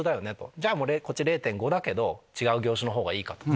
じゃあこっち０．５だけど違う業種の方がいいかとか。